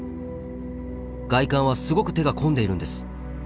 外観はすごく手が込んでいるんです。